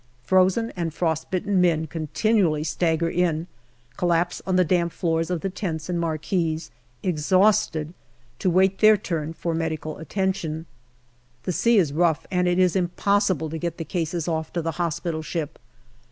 Frozen and frostbitten men continually stagger in, collapse on the damp floors of the tents and marquees, exhausted, to wait their turn for medical attention. The sea is rough, and it is impossible to get the cases off to the hospital ship.